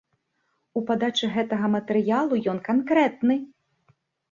У падачы гэтага матэрыялу ён канкрэтны.